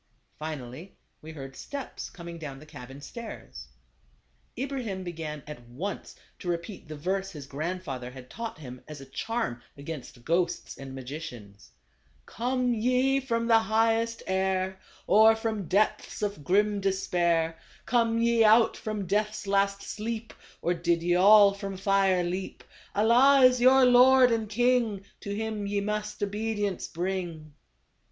Finally we heard steps coming down the cabin stairs. Ibrahim began at once to repeat the verse his grandfather had taught him as a charm against ghosts and magicians :" Come ye from the highest air, Or from depths of grim despair ; Come ye out from death's last sleep, Or did ve all from fire leap — Allah is your Lord and King, To him ye must obedience bring."